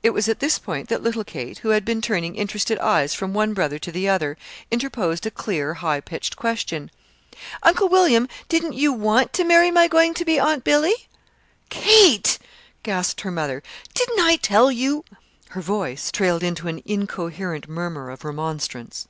It was at this point that little Kate, who had been turning interested eyes from one brother to the other, interposed a clear, high pitched question. "Uncle William, didn't you want to marry my going to be Aunt Billy?" "Kate!" gasped her mother, "didn't I tell you " Her voice trailed into an incoherent murmur of remonstrance.